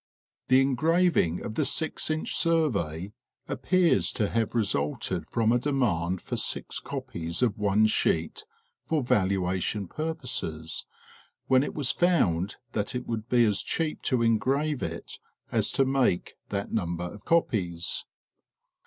The engraving of the six inch survey appears to have resulted from a demand for six copies of one sheet for valuation purposes when it was found that it would be as cheap to engrave it as to make that number of copies.